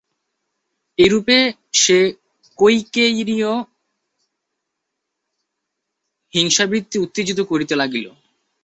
এইরূপে সে কৈকেয়ীর হিংসাবৃত্তি উত্তেজিত করিতে লাগিল।